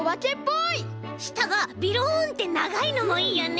したがベロンってながいのもいいよね。